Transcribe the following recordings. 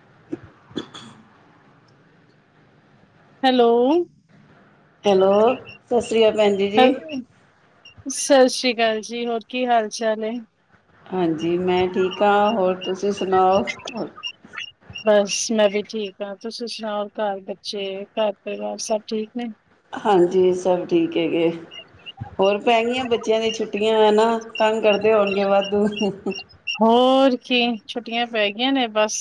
[unintelligible] Hello hello ਸਤਿ ਸ਼੍ਰੀ ਅਕਾਲ ਭੈਣ ਜੀ ਜੀ ਸਤਿ ਸ੍ਰੀ ਅਕਾਲ ਜੀ ਹੋਰ ਕੀ ਹਾਲ ਚਾਲ ਹੈ ਹਾਂਜੀ ਮੈਂ ਠੀਕ ਹਾਂ ਹੋਰ ਤੁਸੀਂ ਸੁਣ ਸੁਣਾਓ ਬਸ ਮੈਂ ਵੀ ਠੀਕ ਹਾਂ ਤੁਸੀਂ ਸੁਣਾਓ ਘਰ ਬੱਚੇ ਘਰ ਪਰਿਵਾਰ ਸਭ ਠੀਕ ਨੇ ਹਾਂਜੀ ਸਭ ਠੀਕ ਹੈਗੇ ਹੋਰ ਪੈ ਗੀਆਂ ਬੱਚਿਆਂ ਦੀ ਛੁੱਟੀਆਂ ਹੈ ਨਾ ਤੰਗ ਕਰਦੇ ਹੋਣਗੇ ਵਾਧੂ ਹੋਰ ਕੀ ਛੁੱਟੀਆਂ ਪੈ ਗਈਆਂ ਨੇ ਬਸ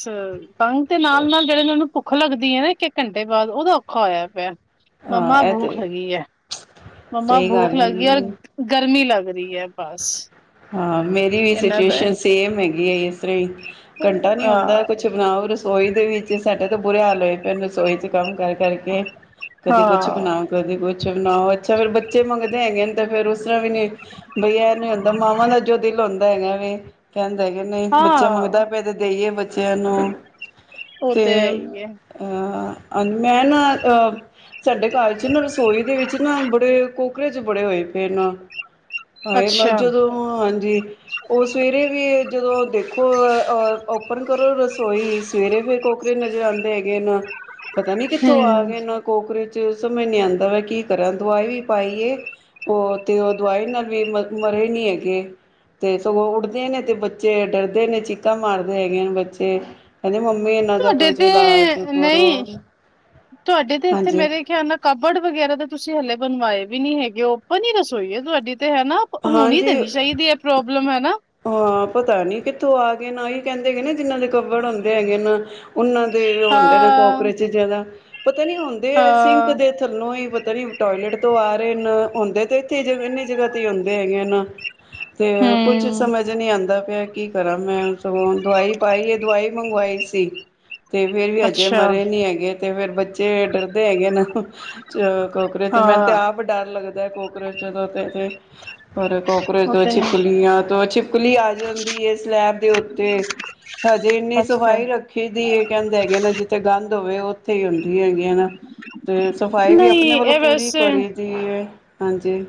ਤੰਗ ਤੇ ਨਾਲ ਜਿਹੜੇ ਨੇ ਉਹ ਨੂੰ ਭੁੱਖ ਲੱਗਦੀ ਹੈ ਨਾ ਇੱਕ ਇੱਕ ਘੰਟੇ ਬਾਅਦ ਉਹਦਾ ਔਖਾ ਹੋਇਆ ਪਿਆ ਹਾਂ ਮੰਮਾ ਇਹ ਭੂਖ ਤੇ ਲਗੀ ਹੈ ਮੰਮਾ ਸਹੀ ਭੂਖ ਗੱਲ ਲੱਗੀ ਹੈਗੀ ਔਰ ਹੈ। ਗਰਮੀ ਲੱਗ ਕਰਰੀ ਹੈ ਬਸ ਹਾਂ ਮੇਰੀ ਵੀ ਇਹਨਾਂ ਦਾ ਹੈ। ਸਿਚੁਏਸ਼ਨ ਸੇਮ ਹੈਗੀ ਆ ਇਸ ਤਰ੍ਹਾਂ ਹੀ ਘੰਟਾ ਨੀ ਹੁੰਦਾ ਹਾਂ, ਕੁਛ ਬਣਾਓ ਰੋਈ ਦੇ ਵਿੱਚ ਸਾਡੇ ਤਾਂ ਬੁਰੇ ਹਾਲ ਹੋਏ ਭੈ ਰਸੋਈ 'ਚ ਕੰਮ ਕਰ ਕਰਕੇ ਕਦੇ ਕੁਛ ਹਾਂ, ਬਣਾਓ ਕਦੇ ਕੁਛ ਅੱਛ ਬਣਾਓ ਅੱਛਾ ਫੇਿਰ ਬੱਚੇ ਮੰਗਦੇ ਹੈਗੇ ਨੇ ਤੇ ਫੇਰ ਉਸ ਤਰ੍ਹਾਂ ਵੀ ਨ ਬਈ ਇਹ ਨੀ ਮਾਂਵਾਂ ਦਾ ਜੋ ਦਿਲ ਹੁੰਦਾ ਹੈਗਾ ਵੀ ਕਹਿੰ ਹੈਗ ਨੇ ਬੱਚਾ ਹਾਂ। ਮੰਗਦਾ ਪਏ ਤੇ ਦੇਈਏ ਜਨੂੰ ਉਹ ਤੇ ਹੈ ਹੀ ਹੈ, ਹਾਂਜੀ ਮੈਂ ਨਾ ਅਹ ਸਾਡੇ ਘਰ ਚ ਨਾ ਰਸੋਈ ਦੇ ਵਿੱਚ ਨਾ ਬੜੇ ਕੋਕਰੇਜ ਬੜੇ ਹੋਏ ਪਏ ਨਾ ਹਾਂ ਇਹ ਬ ਅੱਛਾ, ਜਦੋਂ ਹਾਂਜੀ ਉਹ ਸਵੇਰੇ ਵੀ ਜਦੋਂ ਦੇਖੋ ਬੰਦ ਕਰੋ ਰਸੋਈ ਸਵੇਰੇ ਫੇਰ ਕੋਕਰੇ ਨਜ਼ਰ ਆਉਂਦੇ ਹੈਗੇ ਨਾ ਪਤਾ ਨ ਕਿੱਥੋਂ ਆ ਹੂੰ, ਗਏ ਨੇ ਕੋਕਰੇਜ ਉਹ ਸਮਝ ਨੀ ਆਉਂਦਾ ਮੈਂ ਕੀ ਕਰਾਂ ਦਵਾਈ ਵੀ ਪਾਈ ਉਹ ਤੇ ਉਹ ਦਵਾਈ ਨਾਲ ਵੀ ਮਰ ਮਰੇ ਨੀ ਹੈਗੇ ਤੇ ਸਗੋਂ ਉੱਡਦੇ ਨੇ ਤੇ ਬੱਚੇ ਡਰਦੇ ਨੇ ਚੀਕਾਂ ਮਾਰਦੇ ਹੈਗੇੀਆਂ ਨੇ ਬੱਚੇ ਕਹਿੰਦੇ ਮੰਮੀ ਇਹਨਾਂ ਦਾ ਤੁਹਾਡੇ ਕੋਈ ਤੇ ਇਲਾਜ ਕਰੋ ਨਹੀਂ ਤੁਹਾਡੇ ਤੇ ਇੱਥੇ ਹਾਂਜੀ ਮੇਰੇ ਖਿਆਲ ਨਾਲ ਕਬੜ ਵਗੈਰਾ ਦਾ ਤੁਸੀਂ ਹਲੇ ਬਣਵਾਏ ਵੀ ਨੀ ਹੈਗੇ ਓਪਨ ਹੀ ਰਸੋਈ ਏ ਤੁਹਾਡੀ ਤੇ। ਹਨਾ ਹੋਣੀ ਹਾਂਜੀ ਦੇਣੀ ਚਾਹੀਦੀ ਇਹ ਪ੍ਰੋਬਲਮ ਹੈ ਨਾ ਹਾਂ ਪਤਾ ਨੀ ਕਿੱਥੋਂ ਆ ਗਏ ਨੇ ਉਹੀ ਕਹਿੰਦੇ ਗੇ ਨੇ ਜਿਹਨਾਂ ਦੇ ਕੱਬੜ ਹੁੰਦੇ ਹੈਗੇ ਨ, ਉਹਨਾਂ ਦੇ ਹੁੰਦੇ ਨੇ ਹਾਂ ਕੋਕਰੇ ਚ ਜਿਆਦਾ ਪਤਾ ਨੀ ਹੁੰਦੇ ਹੈ, ਸਿੰਕ ਹਾਂ ਦੇ ਥੱਲੋਂ ਹੀ ਪਤਾ ਨੀ ਟੋਇਲੇਟ ਤੋਂ ਆ ਰਹੇ ਨ ਹੁੰਦੇ ਤੇ ਇਥੇ ਇੰਨੀ ਜਗ੍ਹਾ ਤੇ ਹੁੰਦੇ ਹੈਗੇ ਨਾ ਤੇ ਕੁਛ ਹਮ ਸਮਝ ਨਹੀਂੀ ਆਉਂਦਾ। ਕੀ ਕਰਾਂ ਮੈਂ ਸਗੋਂ ਦਵਾਈ ਪਾਈ ਇਹ ਦਵਾਈ ਮੰਗਵਾਈ ਸੀ ਅਤੇ ਫਿਰ ਵੀ ਅਜੇ ਅੱਛਾ ਮਰੇ ਨਹੀਂ ਹੈਗੇ ਤੇ ਫੇਿਰ ਬੱਚੇ ਡਰਦੇ ਹੈਗੇ ਨੇ ਚ ਕੋਕਰੋਚ ਤੋਂ ਮੈਨੂੰ ਤੇ ਹਾਂ ਆਪ ਡਰ ਲੱਗਦਾ ਕਕਰੋਚ ਜਦੋਂ ਤੇ ਥੇ ਅੱਛ ਪਰਰ ਕਕਰੋਚ ਉਹ ਤੋਂ ਤੇ ਹੈ ਛਿਪਕਲੀਆਂ ਤੋਂ ਅੱਛੀ ਛਿਪਚਕਲੀ ਆ ਜਾਂਦੀ ਹੈ ਸਲੈਬ ਦੇ ਉੱਤੇ ਹਜੇ ਇੰਨੀ ਅੱਛਾ ਸਫ਼ਾਈ ਰੱਖੀ ਦੀ ਹੈ ਕਹਿੰਦੇ ਹੈਗੇ ਨਾ ਜਿੱਥੇ ਗੰਦ ਹੋਵੇ ਉੱਥੇ ਹੀ ਹੁੰਦੀ ਹੈਗੀ ਨਾ ਤੇ ਸਫ਼ਾਈ ਵੀ ਆਪਣੇ ਵੱਲੋਂ ਪੂਰੀ ਕਰੀ ਦੀ ਏ।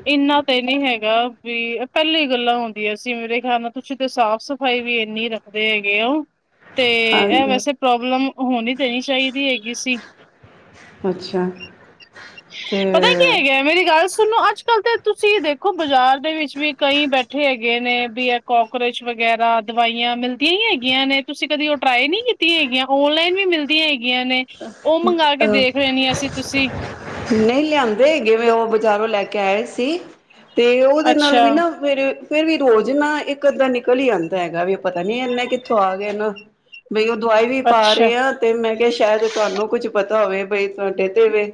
ਇਨਾ ਤੇ ਨਹੀਂੀ ਹੈਗਾ ਹੈ ਵੀ ਪਹਿਲੀ ਗੱਲਾਂ ਹੁੰਦੀਆਂ ਸੀ ਮੇਰੇ ਖਿਆਲ ਨਾਲ ਤੁਸੀਂ ਤੇ ਸਾਫ਼ ਸਫ਼ਾਈ ਵੀ ਇੰਨੀ ਰੱਖਦੇ ਹੈਗੇ ਹੋ ਤੇ ਇਹ ਹਾਂਜੀ ਵੈਸੇ ਪ੍ਰੋਬਲਮ ਹੋਣੀ ਤੇ ਨਹੀਂ ਦੇਣੀ ਚਾਹੀਦੀ ਹੈਗੀ ਸੀ ਅੱਛਾ ਤੇ ਪਤਾ ਕੀ ਹੈਗਾ ਮੇਰੀ ਗੱਲ ਸੁਣੋ ਅੱਜ ਤੁਸੀਂ ਦੇਖੋ ਬਾਜ਼ਾਰ ਦੇ ਵਿੱਚ ਵੀ ਕਈ ਬੈਠੇ ਹੈਗੇ ਨੇ ਵੀ ਇਹ ਕੋਕਰੋਚ ਵਗੈਰਾ ਦਵਾਈਆਂ ਮਿਲਦੀਆਂ ਹੀ ਹੈਗੀਆਂ ਨੇ ਤੁਸੀਂ ਕਦੀ ਉਹ ਟਰਾਈ ਨਹੀਂ ਕੀਤੀਆਂ ਹੈਗੀਆਂ ਔਨਲਾਈਨ ਵੀ ਮਿਲਦੀਆਂ ਹੈਗੀਆਂ ਹੈਗੀਆਂ ਨੇ ਉਹ ਮੰਗ ਕੇ ਅਹ ਦੇਖ ਰਹੇਣੀਆਂ ਸੀ ਤੁਸੀਂ ਨਹੀਂ ਲਿਆਂਦੇ ਹੈਗੇ ਵੇਂ ਉਹ ਬਜ਼ਾਰੋਂ ਲੈ ਕੇ ਆਏ ਸੀ ਤੇ ਉਹਦੇ ਨਾਲ ਵੀ ਅੱਛਾ ਨਾ ਫੇਿਰ ਫੇਰ ਵੀ ਰੋਜ਼ ਨਾ ਇੱਕ ਅੱਧਾ ਨਿਕਲ ਹੀ ਆਦਾ ਹੈਗਾ ਵੀ ਪਤਾ ਨੀ ਇਨੇ ਕਿੱਥੋਂ ਆ ਗ ਨਾ ਬਈ ਉਹ ਦਵਾਈ ਵੀ ਪਾ ਅੱਛਾ ਰਹੇ ਹਾਂ ਤੇ ਮੈਂ ਕਿਹਾ ਤੇ ਤੁਹਾਨੂੰ ਕੁੱਛ ਪਤਾ ਹੋਵੇ ਬਈ ਤੁਹਾਡੇ ਤੇਵੇ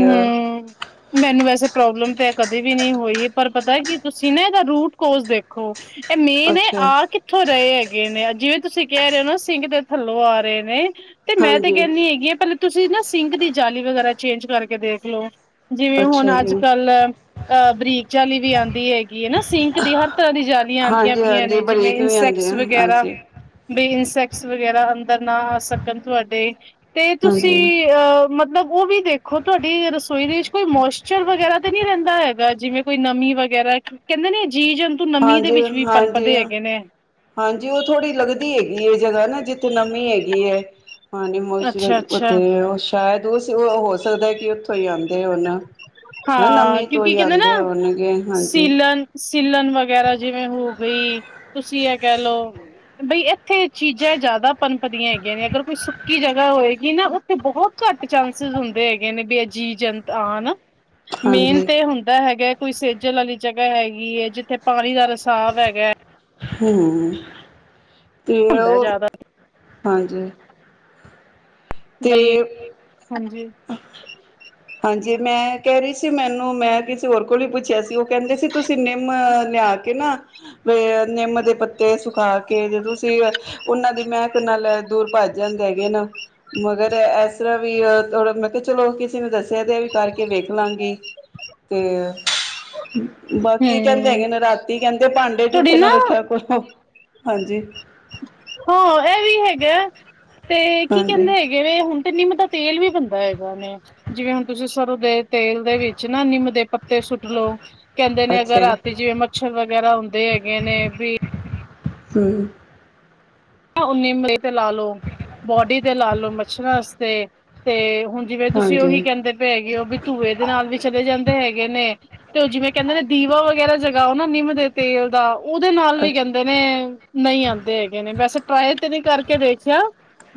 ਹਮ ਮੈਨੂੰ ਵੈਸੇ ਪ੍ਰੋਬਲਮ ਤੇ ਕਦੇ ਵੀ ਨਹੀਂ ਹੋਈ ਪਰ ਪਤਾ ਕੀ ਤੁਸੀਂ ਨਾ ਇਹਦਾ ਰੂਟ ਕੋਜ਼ ਦੇਖੋ ਇਹ ਮੇਨ ਹੈ ਅੱਛਾ ਆਹ ਕਿੱਥੋਂ ਰਹੇ ਹੈਗੇ ਨੇ ਜਿਵੇਂ ਤੁਸੀਂ ਕਹਿ ਰਹੇ ਹੋ ਨਾ ਸਿੰਕ ਦੇ ਥੱਲੋਂ ਆ ਰਹੇ ਨੇ ਤੇ ਮੈਂ ਤੇ ਹਾਂਜੀ ਕਹਿੰਦੀ ਹੈਗੀ ਆ ਪਹਿਲਾਂ ਤੁਸੀਂ ਨਾ ਸਿੰਕ ਦੀ ਜਾਲੀ ਵਗੈਰਾ ਚੇਂਜ ਕਰਕੇ ਕੇ ਦੇਖਲੋ ਜਿਵੇਂ ਹੁਣ ਅੱਛਾ ਅੱਜ ਜੀ। ਕੱਲ ਅਹ ਬਰੀਕ ਜਾਲੀ ਵੀ ਆਉਂਦੀ ਹੈਗੀ ਹੈ ਨਾ ਸਿੰਕ ਦੀ ਹਰ ਤਰ੍ਹਾਂ ਦੀ ਜਾਲੀਆਂ ਆਉਂਦੀਆਂ ਪਈਆਂ ਹਾਂਜੀ-ਹਾਂਜੀ ਨੇ ਜਿਵੇਂ ਬਰੀਕ ਵੀ ਆਂਦੇ ਇਨਸੈਕਟਸ ਆ ਵਗੈਰਾ ਹਾਂਜੀ-ਹਾਂਜੀ। ਬੇਇਨਸੈਕਟ ਸ ਵਗੈਰਾ ਅੰਦਰ ਨਾ ਆ ਸਕਣ ਤੁਆਡੇ ਤੇ ਤੁਸੀਂ ਅਹ ਮਤਲਬ ਉਹ ਵੀ ਦੇਖੋ ਦੇਖੋ ਤੁਹਾਡੀ ਰਸੋਈ ਦੇ ਵਿੱਚ ਕੋਈ ਮੋਸਚਰ ਵਗੈਰਾ ਤਾਂ ਨ੍ਹੀਂ ਰਹਿੰਦਾ ਹੈਗਾ ਜਿਵੇਂ ਕੋਈ ਨਮੀ ਵਗੈਰਾ ਕਹਿੰਦੇ ਨੇ ਜੀ ਜੰਤੂ ਨਮੀ ਦੇ ਵਿੱਚ ਵੀ ਪਨਪਦੇ ਹਾਂਜੀ-ਹਾਂਜੀ ਹੈਗੇ ਨੇ ਹਾਂਜੀ ਉਹ ਥੋੜ੍ਹੀ ਲੱਗਦੀ ਹੈਗੀ ਇਹ ਜਗ੍ਹਾ ਨਾ ਜਿੱਥੇ ਨਮੀ ਹੈਗੀ ਐ। ਪਾਣੀ ਅੱਛਾ ਮੋਸਚਰਾਇਜ ਅੱਛਾ ਉੱਥੇ ਆੱਛ ਸ਼ਾਇਦ ਉਸ ਹੋ ਸਕਦਾ ਕਿ ਉੱਥੋਂ ਹੀ ਆਉਣ [inaudible] ਹਾਂ ਕਿਉਂਕਿ ਹੀ ਕਹਿੰਦੇ ਨਾ ਆਉਂਦੇ ਹੋਣਗੇ ਹਾਂਜੀ ਸੀਲਣ ਸੀਲਣ ਵਗੈਰਾ ਜਿਵੇਂ ਹੋ ਵਈ ਤੁਸੀਂ ਇਹ ਕਹਿ ਲੋ ਬਈ ਇ ਇੱਥੇ ਚੀਜ਼ਾਂ ਜ਼ਿਆਦਾ ਪਨਪਦੀਆਂ ਹੈਗੀਆਂ ਨੇ ਅਗਰ ਕੋਈ ਸੁ ਕੀ ਜਗ੍ਹਾ ਹੋਏਗੀ ਨਾ ਉੱਥੇ ਬਹੁਤ ਘੱਟ ਚਾਂਸਿਸ ਹੁੰਦੇ ਹੈਗੇ ਨੇ ਵੀ ਬੀਏ ਜੀ ਜਨ ਆਨ ਮੇਨ ਹਾਂਜੀ ਤੇ ਇਹ ਹੁੰਦਾ ਹੈਗਾ ਕੋਈ ਸੇਜਲ ਵਾਲੀ ਜਗ੍ਹਾ ਹੈਗੀ ਐਂ, ਜਿੱਥੇ ਪਾਣੀ ਦਾ ਰਸਾਵ ਹੈਗਾ। ਹਂ। ਤੇ ਹੁੰਦਾ ਉਹ ਜ਼ਿਆਦਾ ਹਾਂਜੀ। ਤੇ ਬਈ ਹਾਂਜੀ ਹਾਂਜੀ ਮੈਂ ਕਹਿ ਰਹੀ ਸੀ ਮੈਨੂੰ ਮੈਂ ਕਿਸੇ ਹੋਰ ਕੋਲ ਹੀ ਪੁੱਛਿਆ ਸੀ ਉਹ ਕਹਿੰਦੇ ਸੀ ਤੁਸੀਂ ਨਿਮੰ ਲਿਆ ਕੇ ਨਾ ਬ ਨਿੰਮ ਦੇ ਪੱਤੇ ਸੁਖਾ ਕੇ ਜੇ ਤੁਸੀਂ ਉਹਨਾਂ ਦੀ ਮਹਿਕ ਨਾਲ ਦੂਰ ਭੱਜ ਜਾਂਦੇ ਹੈਗੇ ਨਾ ਮਗਰ ਇਸ ਤਰ੍ਹਾਂ ਵੀ ਥੋੜਾ ਮੈਂ ਕਿਹਾ ਚਲੋ ਕਿਸੇ ਨੇ ਦੱਸਿਆ ਤੇ ਵੀ ਕਰਕੇ ਵੇਖ ਲਾਂਗੀ ਤੇ ਬਾਕੀ ਕਹਿੰਦੇ ਹੂੰ, ਹੈਗੇ ਨੇ ਰਾਤੀ ਕਹਿੰਦੇ ਭਾਂਡੇ ਝੂਠੇ ਨਾ ਰੱਖਿਆ ਕਰੋ। ਹਾਂਜੀ। ਹਾਂ ਇਹ ਵੀ ਹੈਗਾ। ਤੇ ਕੀ ਹਾਂਜੀ ਕਹਿੰਦੇ ਹੈਗੇ ਵੀ ਹੁਣ ਤੇ ਨਿੰਮ ਦਾ ਤੇਲ ਵੀ ਬਣਦਾ ਹੈਗਾ ਵੇ ਜਿਵੇਂ ਹੁਣ ਤੁਸੀਂ ਸਰੋਂ ਦੇ ਤੇਲ ਦੇ ਵਿੱਚ ਨਾ ਨਿੰਮ ਦੇ ਪੱਤੇ ਸੁੱਟ ਲੋੋ, ਕਹਿੰਦੇ ਨੇ ਅਗਰ ਅੱਛਾ ਜੀ ਰਾਤੀ ਜਿਵੇਂ ਮੱਛਰ ਵਗੈਰਾ ਹੁੰਦੇ ਹੈਗੇ ਨੇ ਵੀ ਹਂ। ਓਨੇ ਮੇ ਤੇ ਲਾ ਲੋ ਬੋਡੀ ਤੇ ਲਾ ਲੋ ਮੱਛਰਾਂ ਆਸਤੇ ਤੇ ਤੇ ਹੁਣ ਜਿਵੇਂ ਤੁਸੀਂ ਉਹੀ ਹਾਂਜੀ ਕਹਿੰਦੇ ਪਏ ਹੈਗੇ ਹੋ ਵੀ ਧੂਏ ਦੇ ਨਾਲ ਵੀ ਚਲੇ ਜਾਂਦੇ ਹੈਗੇ ਨੇ। ਤੇ ਉਹ ਜਿਵੇਂ ਕਹਿੰਦੇ ਨੇ ਦੀਵਾ ਵਗੈਰਾ ਜਗਾਓ ਨਾ ਨਿੰਮ ਦੇ ਤੇਲ ਦਾ ਉਹਦੇ ਨਾਲ ਵੀ ਅੱਛਾ ਕੈਂਦੇ ਨੇ ਨਈ ਆਂਦੇ ਹੈਗੇ ਨੇ ਵੈਸੇ ਟਰਾਏ ਤੇ ਨੀ ਕਰਕੇ ਦੇਖਿਆ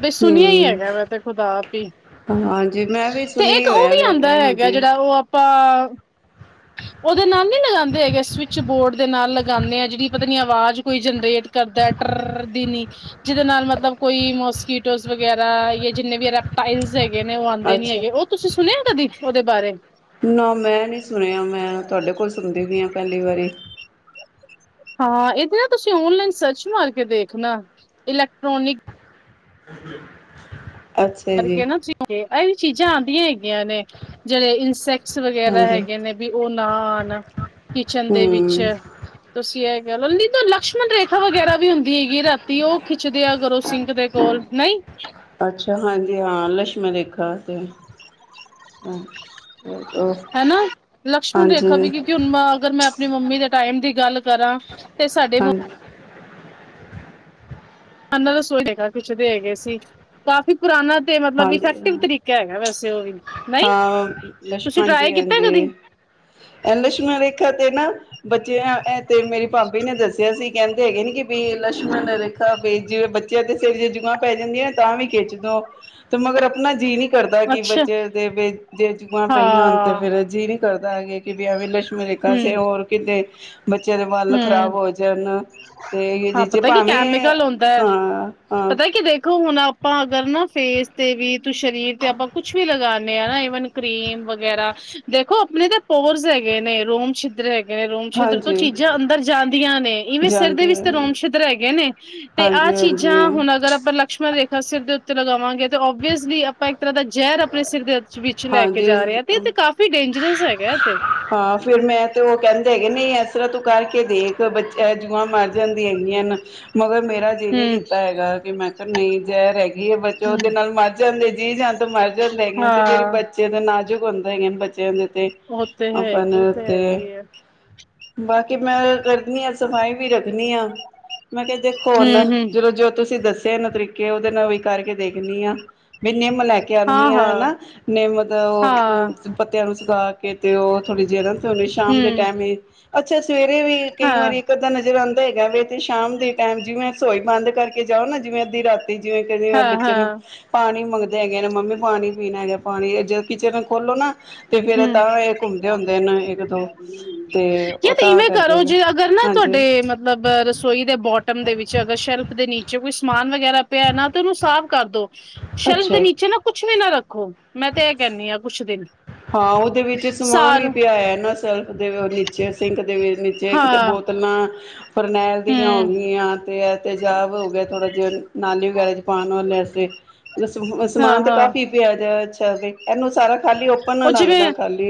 ਵੀ ਸੁਣਿਆ ਹੀ ਹਮ ਹੈਗਾ, ਮੈਂ ਤੇ ਖੁਦ ਆਪ ਹੀ ਹਾਂਜੀ ਮੈਂ ਵੀ ਤੇ ਸੁਣਿਆ ਇੱਕ ਹੀ ਉਹ ਹੋਇਆ ਵੀ ਆਉਂਦਾ ਵੇ ਹੈਗਾ ਹਾਂਜੀ ਜਿਹੜਾ ਉਹ ਆਪ- ਹਾਂ, ਉਹਦੇ ਨਾਲ ਨੀ ਲਗਾਂਦੇ ਹੈਗੇ ਸਵਿਚ ਬੋਰਡ ਦੇ ਨਾਲ ਲਗਾਂਦੇ ਆ, ਜਿਹੜੀ ਪਤਾ ਨੀ ਆਵਾਜ਼ ਕੋਈ ਜਨਰੇਟ ਕਰਦਾ ਟਰਰ ਦੀ ਨੀ ਜਿਹਦੇ ਨਾਲ ਮਤਲਬ ਕੋਈ ਮੋਸਕੀਟੋਸ ਵਗੈਰਾ ਜਾਂ ਜਿੰਨੇ ਵੀ ਰੈਪਟਾਈਲ ਹੈਗੇ ਨੇ ਉਹ ਆਂਦੇ ਨੀ ਅੱਛਾ ਹੈਗੇ, ਉਹ ਤੁਸੀਂ ਸੁਣਿਆ ਕਦੀ ਉਹਦੇ ਬਾਰੇ ਨਾ ਮੈਂ ਨੀ ਸੁਣਿਆ ਮੈਂ ਤੁਹਾਡੇ ਕੋਲ ਸੁਣਦੀ ਵੀਈ ਹਾਂ ਪਹਿਲੀ ਵਾਰੀ ਹਾਂ, ਇਹਦੇ ਨਾ ਤੁਸੀਂ ਓਨਲਾਈਨ ਸਰਚ ਮਾਰ ਕੇ ਦੇਖ ਨਾ ਇਲੈਕਟ੍ਰੋਨਿਕ [unintelligible] ਜੀ ਕਰਕੇ ਨਾ ਤੁਸੀਂ ਇਹ ਵੀ ਚੀਜ਼ਾਂ ਆਂਦੀਆਂ ਹੈਗੀਆਂ ਨੇ, ਜਿਹੜੇ ਇਨਸੈਕਟਸ ਵਗੈਰਾ ਹਾਂਜੀ ਹੈਗੇ ਨੇ ਵੀ ਉਹ ਨਾ ਆਉਣ ਕਿਚਨ ਦੇ ਵਿੱਚ ਹਮ ਤੁਸੀਂ ਇਹ ਨਹੀਂ ਤਾਂ ਲਕਸ਼ਮਣ ਰੇਖਾ ਵਗੈਰਾ ਵੀ ਹੁੰਦੀ ਹੈਗੀ, ਰਾਤੀ ਉਹ ਖਿੱਚਦੇ ਆ ਕਰੋ ਸਿੰਘ ਦੇ ਕੋਲ ਨਹੀਂ ਅੱਛਾ, ਹਾਂਜੀ ਹਾਂ ਲਛਮਣ ਰੇਖਾ ਤੇ ਚਲੋ ਹੈਨਾ ਲਕਸ਼ਮਣ ਹਾਂਜੀ ਰੇਖਾ ਵੀ ਕਿਉਂਕਿ ਹੁਣ ਮੈਂ ਅਗਰ ਮੈਂ ਆਪਣੀ ਮੰਮੀ ਦੇ ਟਾਈਮ ਦੀ ਗੱਲ ਕਰਾਂ ਤੇ ਸਾਡੇ ਹਾਂ ਹੁ ਹਨਾਂ ਰਸੋਈ ਦੇਖ ਕੁਛ ਦੇ ਹੈਗੇ ਏ ਸੀ ਕਾਫ਼ੀ ਪੁਰਾਣਾ ਤੇ ਮਤਲਬ ਹਾਂਜੀ ਹਾਂ ਇਫੈਕਟਿਵ ਤਰੀਕਾ ਹੈਗਾ ਵੈਸੇ ਉਹ ਵੀ ਨਹੀਂ ਤੁਸੀਂ ਲਸ਼ਮਨ ਜੀ ਟਰਾਈ ਕੀਤਾ ਹਾਂਜੀ ਕਦੀ ਹਾਂਜੀ ਲਸ਼ਮਣ ਰੇਖਾ ਤੇ ਨਾ ਬੱਚਿਆਂ ਇਹ ਤੇ ਕਹਿੰਦੇ ਹੈਗੇ ਨੀ ਕਿ ਬ ਲਸ਼ਮਣ ਰੇਖਾ ਬ ਜਿਵੇਂ ਬੱਚਿਆਂ ਦੇ ਸਿਰ ਜੇ ਜੁਆਂ ਪੈ ਜਾਂਦੀਆਂ ਨਾ ਤਾਂ ਵੀ ਖਿੱਚਦੋ। ਤੇ ਮਗਰ ਆਪਣਾ ਜੀਅ ਨਹੀਂ ਕਰਦਾ ਕਿ ਅੱਛਾ ਬੱਚੇ ਦੇ ਜੇ ਜੂਆਂ ਪਈਆਂ ਹੋਣ ਤੇ ਹਾਂ ਫੇਰ ਜੀ ਵੀ ਕਰਦਾ ਹੈਗੇ ਕਿ ਬਆ ਵੀ ਲਸ਼ਮਣ ਰੇਖਾ ਹੂੰ ਸੇ ਹੋਰ ਕਿਤੇ ਬੱਚਿਆਂ ਦੇ ਵੱਲ ਖ਼ਰਾਬ ਹੂੰ ਹੋ ਜਾਣ ਤੇ ਹਾਂ ਜਿਹ ਚ ਪਤਾ ਕੀ ਭਾਵੇਂ ਕੈਮੀਕਲ ਹੁੰਦਾ ਹੈ, ਹਾਂ ਹਾਂ ਪਤਾ ਕੀ ਦੇਖੋ ਹੁਣ ਆਪਾਂ ਅਗਰ ਨਾ ਫੇਸ ਤੇ ਵੀ ਸਰੀਰ ਤੇ ਆਪਾਂ ਕੁੱਛ ਵੀ ਲਗਾਂਦੇ ਆਂ ਈਵਨ ਕਰੀਮ ਵਗੈਰਾ ਦੇਖੋ ਆਪਣੇ ਤਾਂ ਪੋਰਸ ਹੈਗੇ ਨੇ, ਰੋਮ ਛਿੱਦਰ ਹੈਗੇ ਜਿਵੇਂ ਰੂਮ ਛਿਦਰ ਤਾਂ ਨੀ ਹਾਂਜੀ ਚੀਜ਼ਾਂ ਅੰਦਰ ਜਾਂਦੀਆਂ ਨੇ ਇਵੇਂ ਸਿਰ ਦੇ ਜਾਂਦੇ ਵਿੱਚ ਆ ਤੇ ਰੋਮ ਛਿੱਦਰ ਹੈ ਗਏ ਨੇ ਤੇ ਆਹ ਹਾਂਜੀ ਚੀਜ਼ਾਂ ਹਾਂਜੀ ਹੁਣ ਅਗਰ ਆਪਾਂ ਲਕਸ਼ਮਣ ਰੇਖਾ ਸਿਰ ਦੇ ਉੱਤੇ ਲਗਾਵਾਂਗੇ ਤੇ ਓਬਅਸਲੀ ਆਪਾਂ ਇੱਕ ਤਰ੍ਹਾਂ ਦਾ ਜ਼ਹਿਰ ਆਪਣੇ ਸਿਰ ਦੇ ਉਤੇ ਹਾਂਜੀ, ਡੇਂਜਰਸ ਹੈਗਾ ਇਹ ਤੇ ਹਾਂ ਫਿਰ ਮੈਂ ਤੇ ਉਹ ਕਹਿੰਦੇ ਨਹੀਂ ਐਸ ਤਰਾਂ ਤੂੰ ਕਰਕੇ ਦੇਖ ਬੱਚਾ ਜੂਆਂ ਮਰ ਜਾਂਦੀਆਂ ਹੈਗੀਆਂ ਨੇ ਮਗਰ ਮੇਰੇ ਹਜੇ ਨਹੀ ਹੂੰ ਕੀਤਾ ਹੈਗਾ ਕਿ ਮੈਂ ਨਹੀਂ ਜਹਿਰ ਹ ਬਚੋ ਹੂੰ ਉਹਦੇ ਨਾਲ ਮਰ ਜਾਂਦੇ। ਇਹ ਜਲ ਮਰ ਜਾਂਦਾ ਹੇਗੇ ਤੇ ਮੇਰੀ ਹਾਂ ਬੱਚੇ ਦੇ ਨਾਲ ਜੋ ਹੁੰਦਾ ਹੈਗੇ ਬੱਚਿਆਂ ਦੇ ਤੇ ਉਹ ਤੇ ਆਪਾਂ ਹੈਗੇ, ਉਹ ਨੂੰ ਤਾਂ ਤੇ ਹੈਗੇ ਆ। ਬਾਕੀ ਮੈਂ ਕਰਦੀ ਹਾਂ ਸਫਾਈ ਵੀ ਰੱਖ ਨੀ ਆ ਮੈਂ ਕਿਹਾ ਦੇਖੋ ਹੁਣ ਹੂੰ ਹੂੰ ਜਦੋਂ ਜੋ ਤੁਸੀਂ ਦੱਸ ਤਿੰਨ ਤਰੀਕੇ ਉਹਦੇ ਨਾਲ ਵੀ ਕਰਕੇ ਦੇਖਣੀ ਆ। ਨੀਮ ਲੈ ਕੇ ਆਨੀ ਹਾਂ ਆ ਹਾਂ ਹਨਾ। ਨਿੰਮ ਦੇ ਹਾਂ ਉਹ ਪੱਤੇ ਨੂੰ ਸੁਗਾ ਕੇ ਤੇ ਉਹ ਥੋੜ੍ਹੀ ਜਿਹੀ ਤੇ ਹੂਨੇ ਸ਼ਾਮ ਦੇ ਹੂੰ ਟੈਮ ਅੱਛਾ ਅੱਛ ਸਵੇਰੇ ਵੀ ਕਈ ਹਾਂ ਵਾਰੀ ਇੱਕ ਅੱਧਾ ਨਜ਼ਰ ਆ ਹੈਗਾ ਵੀ ਤੇ ਸ਼ਾਮ ਦੇ ਟਾਈਮ ਜਿਵੇਂ ਰਸੋਈ ਬੰਦ ਕਰਕੇ ਜਾਓ ਨਾ ਜਿਵੇਂ ਅੱਧੀ ਰਾਤ ਜਿਵੇਂ ਕਹਿੰਦੇ ਆ ਹਾਂ ਬੱਚੇ ਨੂੰ ਹਾਂ ਪਾਣੀ ਮੰਗ ਦੇ ਹੈਗੇ ਨੇ ਮੰਮੀ ਪਾਣੀ ਪੀਣਾ ਹੈਗਾ। ਪਾਣੀ ਜੇ ਕਿਚਨ ਖੋਲੋ ਨਾ ਤੇ ਫੇਰ ਹਮ ਤਾਂ ਇਹ ਘੁੰਮਦੇ ਹੁੰਦੇ ਨੇ ਇੱਕ ਦੋ ਤੇ ਉਹ ਯ ਤੇ ਤਾਂ ਇਵੇਂ ਕਰਕੇ ਕਰੋ ਨੇ ਜੇ ਅਗਰ ਨਾ ਹਾਂਜੀ ਤੁਹਾਡੇ ਮਤਲਬ ਰਸੋਈ ਦੇ ਬੋਟਮ ਦੇ ਵਿੱਚ ਅਗਰ ਸ਼ੈਲਫ ਦੇ ਨੀਚੇ ਕੁਛ ਸਮਾਨ ਵ ਵਗੈਰਾ ਪਿਆ ਨਾ ਤੇ ਉਹਨੂੰ ਸਾਫ਼ ਕਰ ਦੋ ਸ਼ੈਲਫ ਦੇ ਅੱਛਾ ਨੀਚੇ ਨਾ ਕੁੱਛ ਵੀ ਨਾ ਰੱਖ ਖੋ। ਮੈਂ ਤੇ ਇਹ ਕਹਦੀ ਹਾਂ ਕੁਛ ਦਿਨ। ਹਾਂ ਉਹਦੇ ਵਿੱਚ ਸਮਾਨ ਵੀ ਸਾਰ ਪਇਆ ਹੋਇਆ ਨਾ ਸੈਲਫ ਦੇ ਨੀਚੇ ਸਿੰਕ [unintelligible] ਨੀਚੇ ਕਿਤੇ ਹਾਂ ਬੋਤਲਾਂ ਫਰਨੈਲ ਦੀਆਂ ਹੋ ਹੂੰ ਗਈਆਂ ਤੇ ਤੇਜਾਬ ਹੋ ਗਿਆ ਥੋੜਾ ਜਿਹਾ ਨਾਲੀ ਵਗੈਰਾ ਚ ਪਾਉਣ ਵਾਲੀਆ ਵਾਸਤੇ ਹਾਂ ਸਮਾਨ ਤੇ ਹਾਂ ਕਾਫ਼ੀ ਪਿਆ ਦੈ। [unintelligible] ਇਹਨੂੰ ਸਾਰਾ ਉਹ ਜਿਵੇਂ ਖਾਲੀ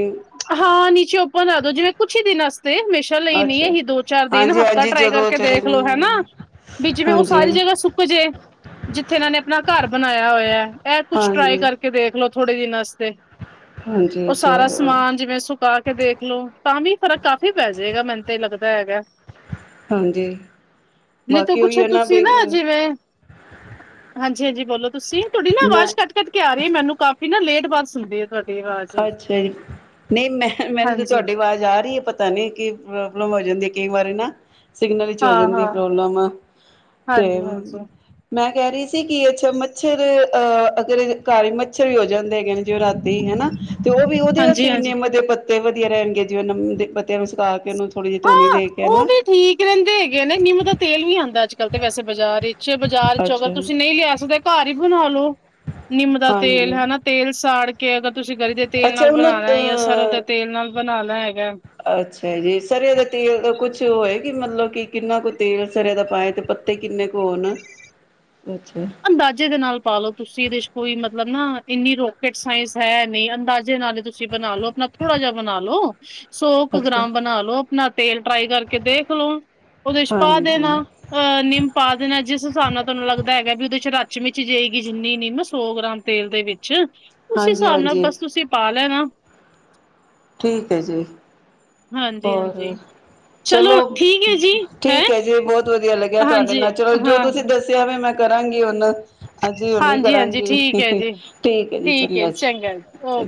ਹਾਂ ਨੀਚੇ ਓਪਨ ਆ ਦੋ ਜਿਵੇਂ ਕੁਛ ਹੀ ਦਿਨਾਂ ਤੇ ਹਮੇਸ਼ਾ ਲਈ ਨੀ ਅੱਛਾ ਅਸੀ ਦੋ ਚਾਰ ਦਿਨ ਹਾਂਜੀ ਹਫ਼ਤਾ ਹਾਂਜੀ ਟਰਾਈ ਜਦੋਂ ਕਰਕੇ ਚਲੇ ਦੇਖ ਲੋੋ ਹਨਾ ਵੀ ਜਿਵੇਂ ਉਹ ਹਾਂਜੀ ਸਾਰੀ ਜਗ੍ਹਾ ਸੁੱਕ ਜੇ ਜਿੱਥੇ ਇਹਨਾਂ ਨੇ ਆਪਣਾ ਘਰ ਬਣਾਇਆ ਹੋਇਆ ਇਹ ਕੁਛ ਟਰਾਈ ਹਾਂਜੀ ਕਰਕੇ ਦੇਖਲੋ ਥੋੜੇ ਦਿਨ ਵਾਸਤੇ ਹਾਂਜੀ ਉਹ ਸਾਰਾ ਚਲੋ ਸਮਾਨ ਜਿਵੇਂ ਸੁਕਾ ਕੇ ਦੇਖਲੋ ਤਾਂ ਵੀ ਫਰਕ ਕਾਫ਼ੀ ਪੈ ਜਾਵੇਗਾ ਮੈਨੂੰ ਤੇ ਲੱਗਦਾ ਹੈਗਾ ਹਾਂਜੀ ਨਹੀਂ ਤੇ ਬਾਕੀ ਕੁਛ ਉਹੀ ਹੈ ਬ ਤੁਸੀਂ ਨਾ ਜਿਵੇਂ ਹਾਂਜੀ ਹਾਂਜੀ ਬੋਲੋ ਤੁਸੀਂ ਤੁਹਾਡੀ ਨਾ ਆਵਾਜ਼ ਮੈਂ ਕੱਟ ਕੱਟ ਕੇ ਆ ਰਹੀ ਮੈਨੂੰ ਕਾਫੀ ਨਾ ਲੇਟ ਬਸ ਸੁਣਦੇ ਆ [unintelligible] ਅੱਛਾ ਜੀ ਨਹੀਂ ਮੈਂ ਮੈਨੂੰ ਹਾਂਜੀ ਤੁਹਾਡੀ ਆਵਾਜ਼ ਆ ਰਹੀ ਹੈ ਪਤਾ ਨੀ ਕੀ ਪ੍ਰੌਬਲਮ ਹੋ ਜਾਂਦੀ ਏ ਕਈ ਵਾਰੀ ਨਾ ਸਿਗਨਲ ਚ ਹੋ ਹਾਂ ਜਾਂਦੀ ਆ ਹਾਂ ਪ੍ਰੋਬਲਮ ਤੇ ਹਾਂਜੀ ਹਾਂਜੀ ਮੈਂ ਕਹਿ ਰਹੀ ਸੀ ਕਿ ਅੱਛਾ ਮੱਛਰ ਅਹ ਅਗਰ ਘਰ ਮੱਛਰ ਵੀ ਹੋ ਜਾਂ [unintelligible] ਰਾਤੀ ਹਨਾ ਤੇ ਉਹ ਵੀ ਉਹਦੇ ਵਾਸਤੇ ਹਾਂਜੀ ਵੀ ਹਾਂਜੀ ਨਿਮ ਦੇ ਪੱਤੇ ਵਧੀਆ ਰਹਿਣਗੇ ਜਿਵੇਂ ਨਿੰਮ ਦੇ ਪੱਤੇ ਸੁਕਾ ਉਹਨੂੰ ਥੋੜ੍ਹੀ ਜਿਹੀ ਧੂਣੀ ਹਾਂ ਦੇ ਕੇ ਉਹ ਨਾ ਵੀ ਠੀਕ ਰਹਿੰਦੇ ਹੈਗੇ ਆ ਨਾ ਨਿੰਮ ਦਾ ਤੇਲ ਵੀ ਆਉਂਦਾ ਅੱਜ ਕੱਲ੍ਹ ਤੇ ਵੈਸੇ ਬਾਜ਼ਾਰ ਵਿੱਚ ਬਾਜ਼ਾਰ ਚ ਅਗਰ ਅੱਛਾ ਤੁਸੀਂ ਨਹੀਂ ਲਿਆ ਸਕਦੇ ਘਰ ਹੀ ਬਣਾ ਲਓ ਨਿੰਮ ਦਾ ਤੇਲ ਹਾਂਜੀ ਹਨਾ ਤੇਲ ਸਾੜ ਕੇ ਕੇ ਅਗਰ ਤੁਸੀਂ ਗਰੀ ਦੇ ਤੇਲ ਨਾਲ ਅੱਛਾ ਉਹਨੂੰ ਬਣਾਉਣਾ ਹੈ ਜਾਂ ਸਰੋਂ ਦਾ ਅਹ ਤੇਲ ਨਾਲ ਬਣਾਣਾ ਹੈ ਅੱਛਾ ਜੀ ਗਰੀ ਦਾ ਤੇਲ ਦਾ ਕੁਛ ਕਿ ਮਤਲਬ ਕਿ ਕਿੰਨਾ ਕੁ ਤੇਲ ਸਰੇ ਦਾ ਪਾਏ ਤੇ ਪੱਤੇ ਕਿੰਨੇ ਕੁ ਹੋਣ ਅੱਛਾ ਅੰਦਾਜ਼ੇ ਦੇ ਨਾਲ ਪਾ ਲਓ ਤੁਸੀਂ ਇਹਦੇ ਚ ਕੋਈ ਮਤਲਬ ਨਾ ਇੰਨੀ ਰੋਕਟ ਸਾਇੰਸ ਹੈ ਨਹੀਂ ਅੰਦਾਜ਼ੇ ਨਾਲ ਹੀ ਤੁਸੀਂ ਬਣਾ ਲੋ ਆਪਣਾ ਥੋੜਾ ਜਿਹਾ ਬਣਾ ਲੋ ਸੌ ਕੁ ਅੱਛਾ ਗ੍ਰਾਮ ਬਣਾ ਲਓ ਆਪਣਾ ਤੇਲ ਟਰਾਈ ਕਰਕੇ ਦੇਖ ਲਓ ਉਹਦੇ ਚ ਪਾ ਹਾਂਜੀ ਦੇਣਾ ਅਹ ਨਿੰਮ ਪਾ ਦੇਣਾ ਜਿਸ ਹਿਸਾਬ ਨਾਲ ਤੁਹਾਨੂੰ ਲੱਗਦਾ ਹੈਗਾ ਵੀ ਰਚ ਮਿਚ ਜਾਏਗੀ ਜਿੰਨੀ ਨੀਮ ਸੌ ਗ੍ਰਾਮ ਤੇਲ ਦੇ ਵਿੱਚ ਉਸ ਹਾਂਜੀ ਹਿਸਾਬ ਨਾਲ ਹਾਂਜੀ ਬਸ ਤੁਸੀਂ ਪਾ [unintelligible] ਠੀਕ ਹੈ ਜੀ ਹਾਂਜੀ ਹਾਂਜੀ ਹੋਰ ਚਲੋ ਠੀਕ ਹੈ ਜੀ ਹੈਂ ਠੀਕ ਹੈ ਜੀ ਬਹੁਤ ਵਧੀਆ ਲੱਗਿਆ ਤੁਹਾਡੇ ਹਾਂਜੀ ਨਾਲ ਚਲੋ ਜੋ ਤੁਸੀਂ ਹਾਂ, ਦੱਸਿਆ ਹੋਵੇ ਮੈਂ ਕਰਾਂਗੇ ਉਹਨਾਂ ਹਾਂਜੀ ਉਹ ਨਹੀਂ ਹਾਂਜੀ-ਹਾਂਜੀ ਕਰਾਂਗੇ ਠੀਕ ਐ ਜੀ, ਠੀਕ ਹੈ ਜੀ ਚੰਗਾ ਜੀ